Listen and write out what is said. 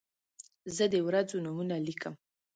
زه د ورځو نومونه لیکم.